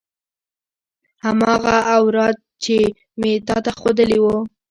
هماغه اوراد چې مې تا ته خودلي وو.